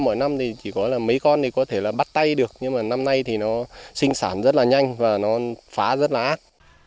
mỗi năm thì chỉ có là mấy con thì có thể là bắt tay được nhưng mà năm nay thì nó sinh sản rất là nhanh và nó phá rất là ác